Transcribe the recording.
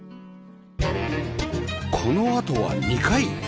このあとは２階